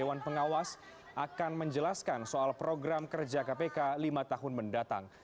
akan menjelaskan soal program kerja kpk lima tahun mendatang